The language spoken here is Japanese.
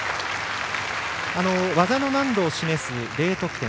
技の難度を示すＤ得点。